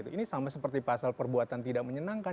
ini sama seperti pasal perbuatan tidak menyenangkan